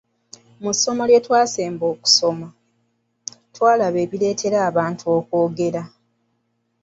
Mu ssomo lye twasemba okusoma, twalaba ebireetera abantu okwogera.